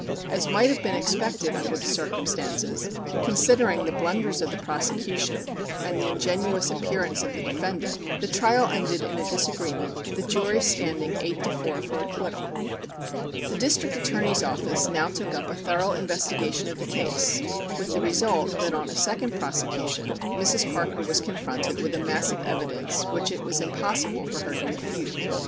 As might have been expected under the circumstances, considering the blunders of the prosecution and the ingenuous appearance of the defendant, the trial ended in a disagreement, the jury standing eight to four for acquittal. The District Attorney's office now took up a thorough investigation of the case, with the result that on a second prosecution Mrs. Parker was confronted with a mass of evidence which it was impossible for her to refute.